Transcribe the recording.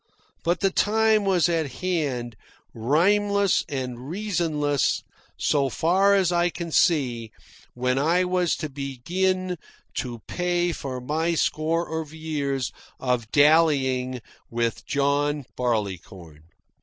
But the time was at hand, rhymeless and reasonless so far as I can see, when I was to begin to pay for my score of years of dallying with John Barleycorn.